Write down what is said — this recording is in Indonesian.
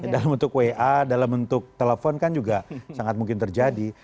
dalam bentuk wa dalam bentuk telepon kan juga sangat mungkin terjadi